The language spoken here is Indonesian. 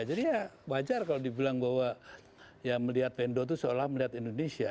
jadi ya wajar kalau dibilang bahwa ya melihat wendo tuh seolah olah melihat indonesia